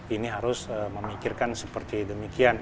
ini harus memikirkan seperti demikian